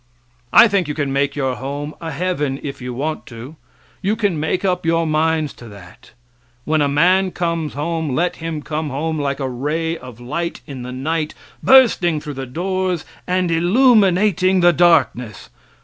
I think you can make your home a heaven if you want to you can make up your minds to that. When a man comes home let him come home like a ray of light in the night bursting through the doors and illuminating the darkness.